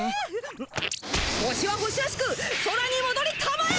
星は星らしく空にもどりたまえ！